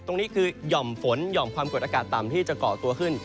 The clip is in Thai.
ตรงนี้คือหย่อมฝนหย่อมความกดอากาศต่ำที่จะก่อตัวขึ้น